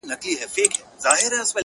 بل وايي چي روغتون ته وړل سوې نه ده,